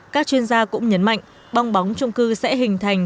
các chuyên gia cũng nhấn mạnh bong bóng trung cư sẽ hình thành